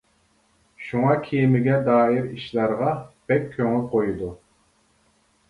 شۇڭا كېمىگە دائىر ئىشلارغا بەك كۆڭۈل قويىدۇ.